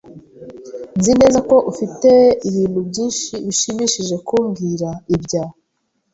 Nzi neza ko ufite ibintu byinshi bishimishije kumbwira ibya .